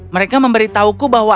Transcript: mereka memberitahuku bahwa